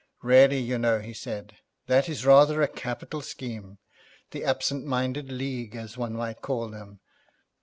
'Really, you know,' he said, 'that is rather a capital scheme. The absent minded league, as one might call them.